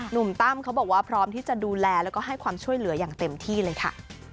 ตั้มเขาบอกว่าพร้อมที่จะดูแลแล้วก็ให้ความช่วยเหลืออย่างเต็มที่เลยค่ะ